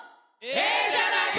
「ええじゃないか！